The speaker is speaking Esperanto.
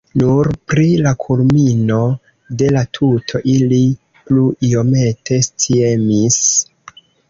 Nur pri la kulmino de la tuto ili plu iomete sciemis.